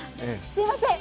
すみません